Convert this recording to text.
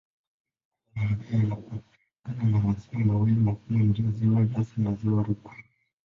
Mkoa wa Mbeya inapakana na maziwa mawili makubwa ndiyo Ziwa Nyasa na Ziwa Rukwa.